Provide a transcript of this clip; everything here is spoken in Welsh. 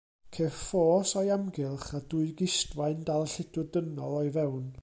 Ceir ffos o'i amgylch a dwy gistfaen dal lludw dynol o'i fewn.